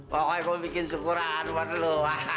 pokoknya gue bikin syukuran buat lo